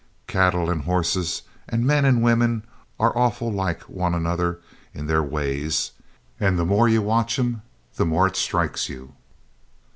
Cattle and horses and men and women are awful like one another in their ways, and the more you watch 'em the more it strikes you.